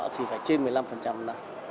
thì phải trên một mươi năm năm